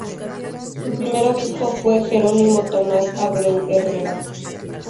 Su primer obispo fue Jerónimo Tomás Abreu Herrera.